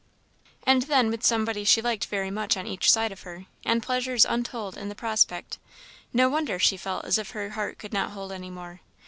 And then with somebody she liked very much on each side of her, and pleasures untold in the prospect, no wonder she felt as if her heart could not hold any more.